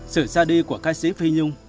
sự xa đi của ca sĩ phi nhung